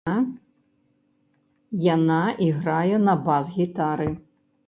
Яна іграе на бас-гітары.